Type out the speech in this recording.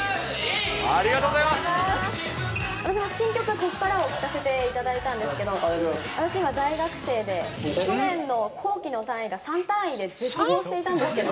新曲、こっからを聴かせていただいたんですけど、私、今大学生で、去年の後期の単位が３単位で絶望していたんですけど。